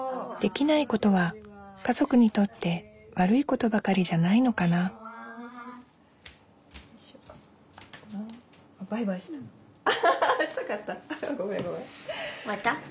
できないことは家族にとって悪いことばかりじゃないのかなバイバイした。